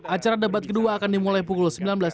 acara debat kedua akan dimulai pukul sembilan belas tiga puluh